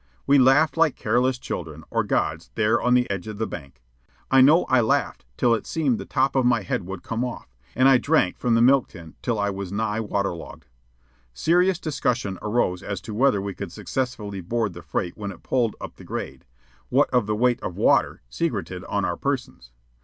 We laughed like careless children, or gods, there on the edge of the bank. I know that I laughed till it seemed the top of my head would come off, and I drank from the milk tin till I was nigh waterlogged. Serious discussion arose as to whether we could successfully board the freight when it pulled up the grade, what of the weight of water secreted on our persons.